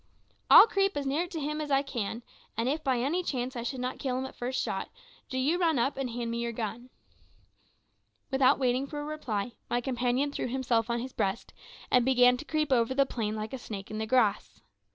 "I'll creep as near to him as I can, and if by any chance I should not kill him at the first shot, do you run up and hand me your gun." Without waiting for a reply, my companion threw himself on his breast, and began to creep over the plain like a snake in the grass.